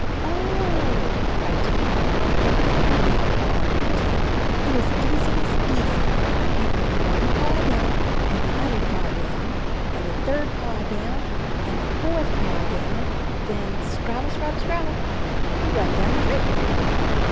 "Oh!" cried Twinkle, jumping up and down and bobbing her tail, "it is easy, as easy. You put one paw down, and the other paw down, and the third paw down, and the fourth paw down — ^then scrabble, scrabble, scrabble, you run down the tree."